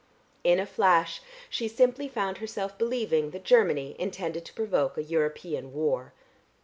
In a flash she simply found herself believing that Germany intended to provoke a European war....